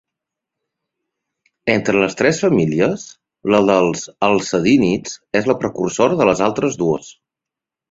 Entre les tres famílies, la dels alcedínids és la precursora de les altres dues.